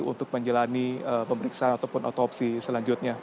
untuk menjalani pemeriksaan ataupun otopsi selanjutnya